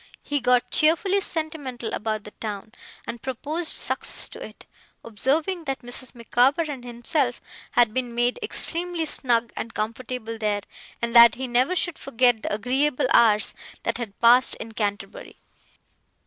He got cheerfully sentimental about the town, and proposed success to it; observing that Mrs. Micawber and himself had been made extremely snug and comfortable there and that he never should forget the agreeable hours they had passed in Canterbury.